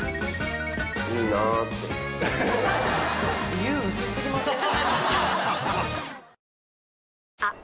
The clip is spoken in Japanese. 理由薄過ぎません？